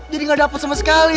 jadi gak dapet sama sekali